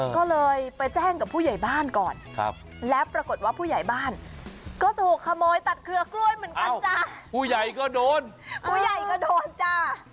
ก็เลยไปแจ้งกับผู้ใหญ่บ้านก่อนครับแล้วปรากฏว่าผู้ใหญ่บ้านก็ถูกขโมยตัดเครือกล้วยเหมือนกันจ้ะผู้ใหญ่ก็โดนผู้ใหญ่ก็โดนจ้า